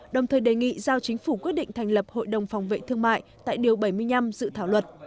đồng thời đề nghị giao chính phủ quyết định thành lập hội đồng phòng vệ thương mại tại điều bảy mươi năm dự thảo luật